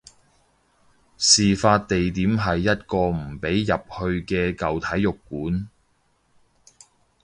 事發地點係一個唔俾入去嘅舊體育館